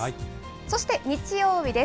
そして日曜日です。